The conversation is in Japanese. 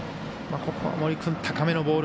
ここは高めのボール。